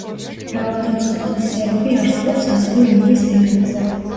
მრავალრიცხოვანი სერები არსებობს ასევე ივრის ზეგანზე.